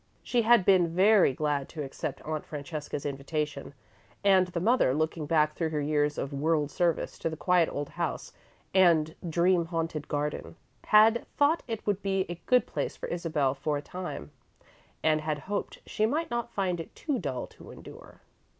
She had been very glad to accept Aunt Francesca's invitation, and the mother, looking back through her years of "world service" to the quiet old house and dream haunted garden, had thought it would be a good place for Isabel for a time, and had hoped she might not find it too dull to endure.